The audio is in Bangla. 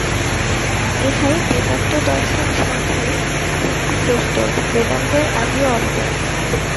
ইহাই বেদান্তদর্শন-সৌধের ভিত্তিপ্রস্তর, বেদান্তের আদি ও অন্ত।